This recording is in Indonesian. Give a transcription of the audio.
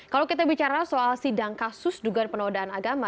kalau kita bicara soal sidang kasus dugaan penodaan agama